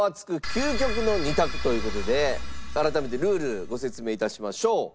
究極の２択」という事で改めてルールご説明致しましょう。